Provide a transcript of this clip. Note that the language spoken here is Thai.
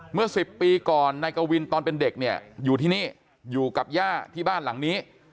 เมื่อ๑๐ปีก่อนนายกวินตอนเป็นเด็กเนี่ยอยู่ที่นี่อยู่กับย่าที่บ้านหลังนี้